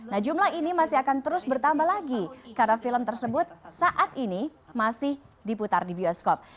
nah jumlah ini masih akan terus bertambah lagi karena film tersebut saat ini masih diputar di bioskop